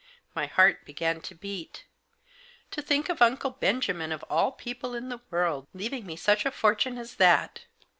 My heart began to beat. To think of Uncle Benjamin, of all people in the world, leaving me such a fortune as that